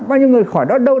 bao nhiêu người khỏi đó đâu